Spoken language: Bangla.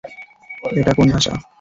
এটা কোন ভাষা?